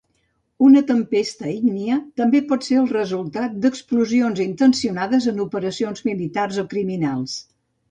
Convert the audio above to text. Una tempesta ígnia també pot ser el resultat d'explosions intencionades en operacions militars o criminals.